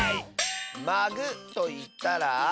「まぐ」といったら。